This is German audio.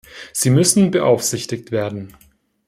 Sie müssen beaufsichtigt werden.